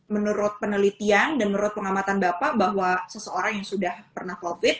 menurut penelitian dan menurut pengamatan bapak bahwa seseorang yang sudah pernah covid